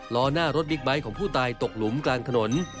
ล้อหน้ารถบิ๊กไบท์ของผู้ตายตกหลุมกลางถนน